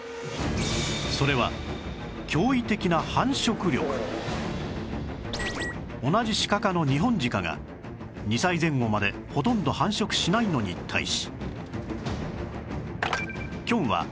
それは同じシカ科のニホンジカが２歳前後までほとんど繁殖しないのに対し